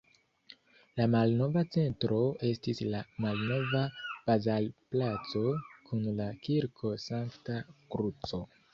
La malnova centro estis la Malnova bazarplaco kun la Kirko Sankta Kruco.